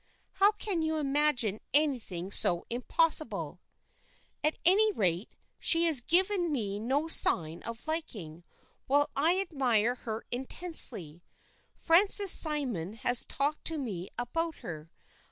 "How can you imagine anything so impossible?" "At any rate, she has given me no sign of liking, while I admire her intensely. Francis Symeon has talked to me about her.